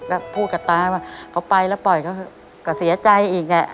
แล้วพูดกับตาว่าเขาไปแล้วปล่อยเขาก็เสียใจอีก